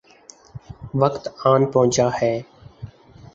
وقت آن پہنچا ہے۔